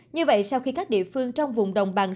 như vậy sau khi các địa phương trong vùng đồng bằng